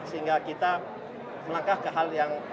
sehingga kita melangkah ke hal yang